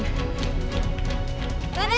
aku sudah dekat